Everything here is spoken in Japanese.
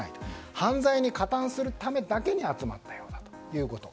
犯罪に加担するためだけに集まったようだということで。